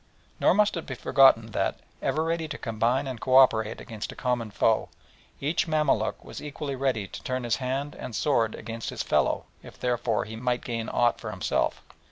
Nor must it be forgotten that, ever ready to combine and co operate against a common foe, each Mamaluk was equally ready to turn his hand and sword against his fellow if thereby he might gain aught for himself.